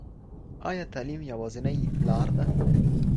ايا تعليم يوازينۍ لار ده؟